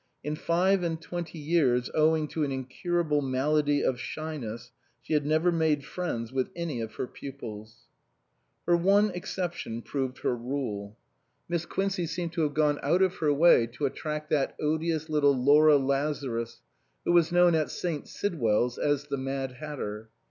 In five and twenty years, owing to an incurable malady of shyness, she had never made friends with any of her pupils. Her one exception proved her rule. Miss 207 SUPERSEDED Quincey seemed to have gone out of her way to attract that odious little Laura Lazarus, who was known at St. Sidwell's as the Mad Hatter.